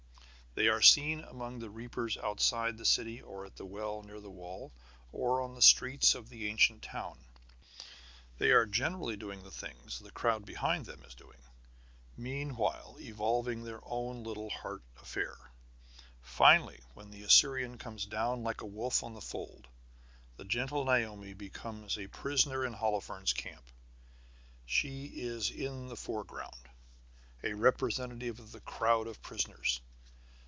They are seen among the reapers outside the city or at the well near the wall, or on the streets of the ancient town. They are generally doing the things the crowd behind them is doing, meanwhile evolving their own little heart affair. Finally when the Assyrian comes down like a wolf on the fold, the gentle Naomi becomes a prisoner in Holofernes' camp. She is in the foreground, a representative of the crowd of prisoners.